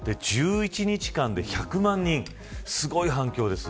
１１日間で１００万人すごい反響です。